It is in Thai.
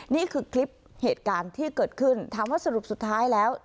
นี่คือคลิปเหตุการณ์ที่เกิดขึ้นถามว่าสรุปสุดท้ายแล้ว